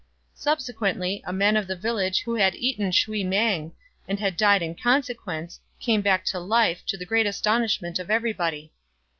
Subsequently a man of the village who had eaten shui mang, and had died in consequence, came back to life, to the great astonishment of everybody.